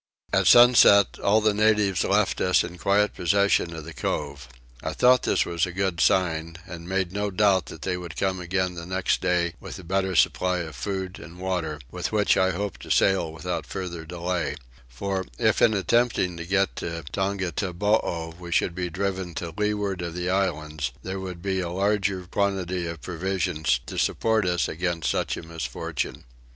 At sunset all the natives left us in quiet possession of the cove. I thought this a good sign, and made no doubt that they would come again the next day with a better supply of food and water, with which I hoped to sail without farther delay: for if in attempting to get to Tongataboo we should be driven to leeward of the islands there would be a larger quantity of provisions to support us against such a misfortune.